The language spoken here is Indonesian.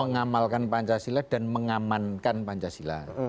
mengamalkan pancasila dan mengamankan pancasila